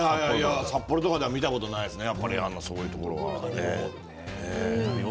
札幌では見たことないですね。